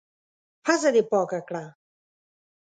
پزه دي پاکه کړه!